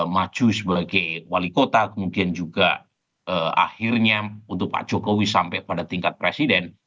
maju sebagai wali kota kemudian juga akhirnya untuk pak jokowi sampai pada tingkat presiden